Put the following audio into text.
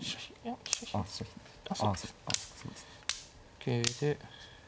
桂で。